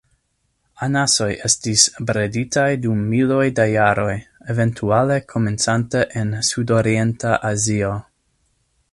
Anasoj estis breditaj dum miloj da jaroj, eventuale komencante en Sudorienta Azio.